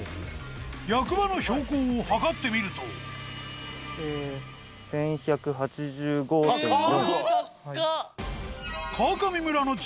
役場の標高を測ってみると１１８５．４。